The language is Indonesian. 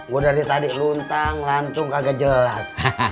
gua dari tadi luntang lantung kagak jelas